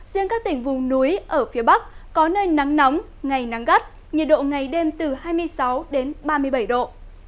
riêng các tỉnh vùng núi ở phía bắc có nơi nắng nóng ngày nắng gắt nhiệt độ ngày đêm từ hai mươi sáu đến ba mươi bảy độ